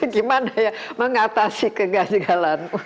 gimana ya mengatasi kegagalan